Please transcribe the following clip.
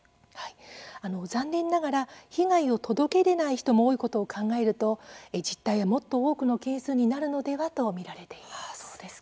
残念ながら被害を届け出ない人も多いことを考えると実態はもっと多くの件数になるのではと見られています。